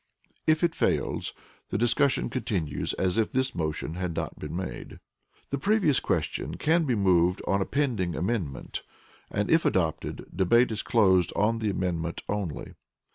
If it fails, the discussion continues as if this motion had not been made. The previous question can be moved on a pending amendment, and if adopted, debate is closed on the amendment only.